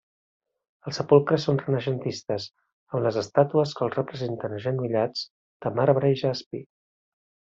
Els sepulcres són renaixentistes, amb les estàtues que els representen agenollats, de marbre i jaspi.